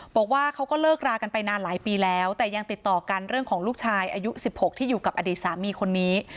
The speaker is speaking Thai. บอกว่าเขาก็เลิกรากันไปนานหลายปีแล้วแต่ยังติดต่อกันเรื่องของลูกชายอายุ๑๖ที่อยู่กับอดีตสามีคนนี้